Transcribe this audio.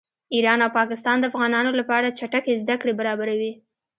ایران او پاکستان د افغانانو لپاره چټکې زده کړې برابروي